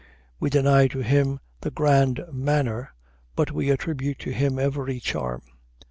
We deny to him "the grand manner," but we attribute to him every charm.